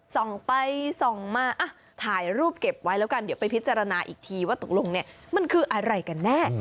ส่องไปส่องมาถ่ายรูปเก็บไว้แล้วกันเดี๋ยวไปพิจารณาอีกทีว่าตกลงเนี่ยมันคืออะไรกันแน่